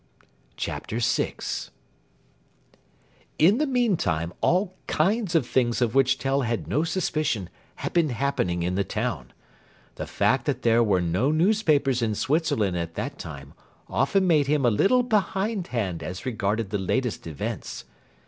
CHAPTER VI In the meantime all kinds of things of which Tell had no suspicion had been happening in the town. The fact that there were no newspapers in Switzerland at that time often made him a little behindhand as regarded the latest events.